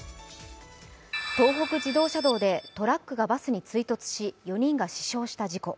東北自動車道でトラックがバスに追突し４人が死傷した事故。